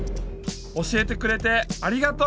教えてくれてありがと！